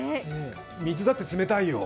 水だって冷たいよ。